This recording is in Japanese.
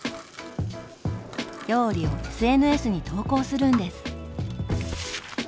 料理をＳＮＳに投稿するんです！